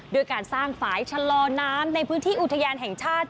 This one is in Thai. ด้วยการสร้างฝ่ายชะลอน้ำในพื้นที่อุทยานแห่งชาติ